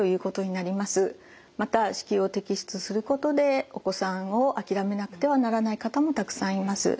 また子宮を摘出することでお子さんを諦めなくてはならない方もたくさんいます。